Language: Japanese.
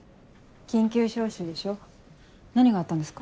緊急招集でしょ何があったんですか？